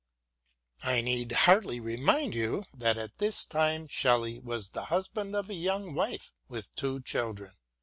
I need hardly remind you that at this time Shelley was the husband of a young wife, with two children.